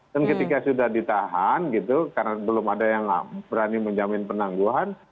dan ketika sudah ditahan gitu karena belum ada yang berani menjamin penangguhan